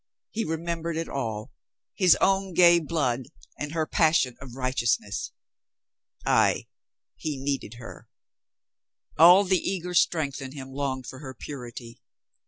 He remembered it all. His own gay blood and her passion of righteousness. ... Ay, he needed her. All the eager strength in him longed for her purity.